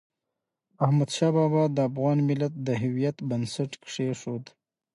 احمد شاه بابا د افغان ملت د هویت بنسټ کېښود.